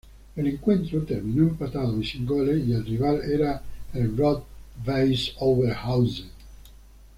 El encuentro terminó empatado y sin goles y el rival era el Rot-Weiß Oberhausen.